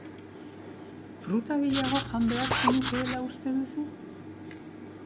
Fruta gehiago jan beharko nukeela uste duzu?